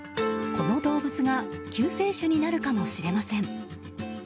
この動物が救世主になるかもしれません。